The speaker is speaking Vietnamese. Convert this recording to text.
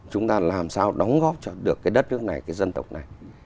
chúng ta làm sao đóng góp cho được cái đất nước này cái dân tộc này